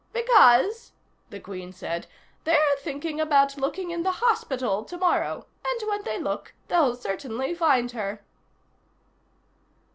"Because," the Queen said, "they're thinking about looking in the hospital tomorrow, and when they look they'll certainly find her."